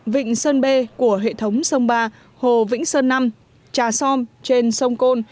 vịnh sơn bê của hệ thống sông ba hồ vĩnh sơn năm trà som trên sông côn